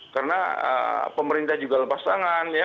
karena pemerintah juga lepas tangan